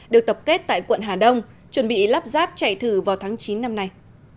được tập kết tại quận hà đông chuẩn bị lắp ráp chạy thử vào tháng chín năm nay